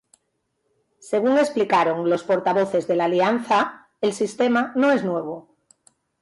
Según explicaron los portavoces de la alianza, el sistema no es nuevo.